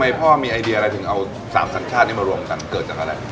พ่อมีไอเดียอะไรถึงเอา๓สัญชาตินี้มารวมกันเกิดจากอะไร